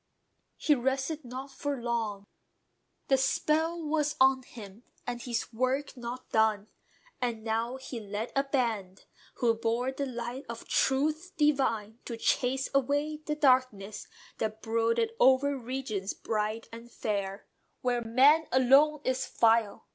He rested not for long: The spell was on him, and his work not done. And now he led a band, who bore the light Of truth divine, to chase away the darkness That brooded over regions bright and fair, Where "man alone is vile."